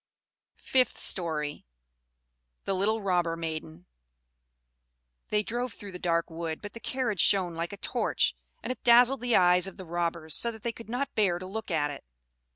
FIFTH STORY. The Little Robber Maiden They drove through the dark wood; but the carriage shone like a torch, and it dazzled the eyes of the robbers, so that they could not bear to look at it.